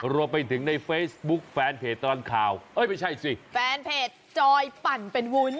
รวมไปถึงในเฟซบุ๊คแฟนเพจตลอดข่าวเอ้ยไม่ใช่สิแฟนเพจจอยปั่นเป็นวุ้น